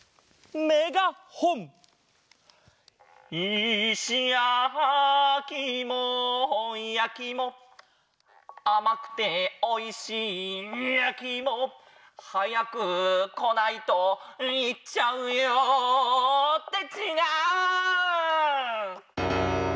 「いしやきいもやきいも」「あまくておいしいやきいも」「はやくこないといっちゃうよ」ってちがう！